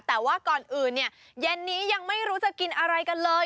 แต่ว่าก่อนอื่นเนี่ยเย็นนี้ยังไม่รู้จะกินอะไรกันเลย